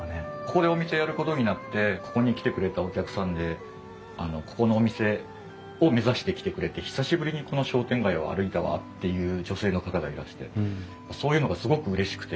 ここでお店やることになってここに来てくれたお客さんでここのお店を目指して来てくれて「久しぶりにこの商店街を歩いたわ」っていう女性の方がいらしてそういうのがすごくうれしくて。